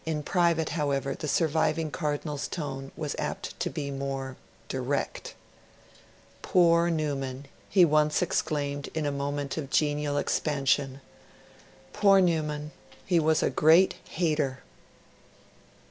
In private, however, the surviving Cardinal's tone was apt to be more ... direct. 'Poor Newman!' he once exclaimed in a moment of genial expansion. 'Poor Newman! He was a great hater!'